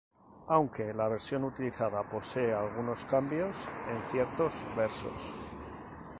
Aunque, la versión utilizada posee algunos cambios en ciertos versos.